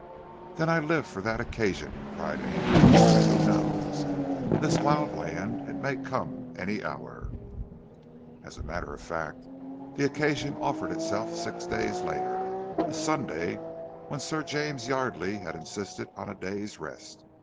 "Then I live for that occasion!" cried Ainley. "And who knows? In this wild land it may come any hour!" As a matter of fact the occasion offered itself six days later a Sunday, when Sir James Yardely had insisted on a day's rest.